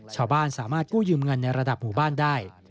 ชาวบ้านสามารถกู้ยืมเงินในระดับหมู่บ้านได้